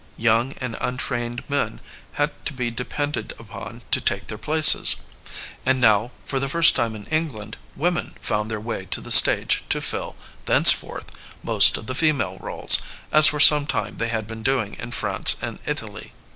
Young and untrained men had to be depended upon to take their places. And now, for the first time in Eng land, women found their way to the stage to fill, thenceforth, most of the female roles, as for some time they had been doing in France and Italy.